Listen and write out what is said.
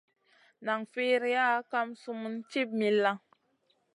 Nan firiya kam sumun ci milla.